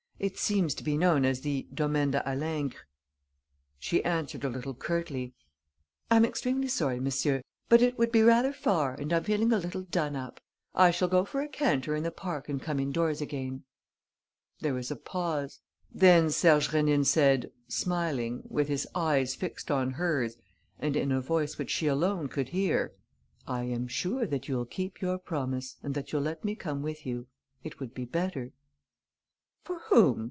It seems to be known as the Domaine de Halingre." She answered a little curtly: "I'm extremely sorry, monsieur, but it would be rather far and I'm feeling a little done up. I shall go for a canter in the park and come indoors again." There was a pause. Then Serge Rénine said, smiling, with his eyes fixed on hers and in a voice which she alone could hear: "I am sure that you'll keep your promise and that you'll let me come with you. It would be better." "For whom?